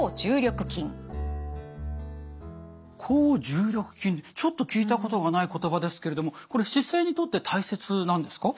抗重力筋ちょっと聞いたことがない言葉ですけれどもこれ姿勢にとって大切なんですか？